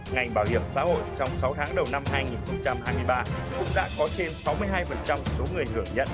ngành bảo hiểm xã hội trong sáu tháng đầu năm hai nghìn hai mươi ba cũng đã có trên sáu mươi hai số người hưởng nhận